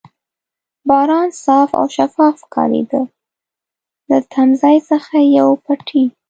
باران صاف او شفاف ښکارېده، له تمځای څخه یو پېټی.